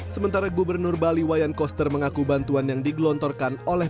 sementara gubernur bali wayan koster mengaku bantuan yang digelontorkan oleh